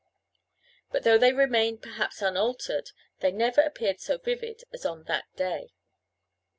But though they remained perhaps unaltered, they never appeared so vivid as on that day.